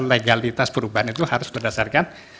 legalitas perubahan itu harus berdasarkan